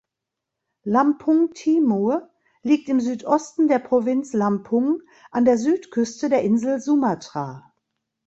Lampung Timur liegt im Südosten der Provinz Lampung an der Südküste der Insel Sumatra.